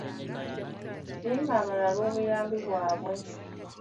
Siima abalala olw'obuyambi bwabwe.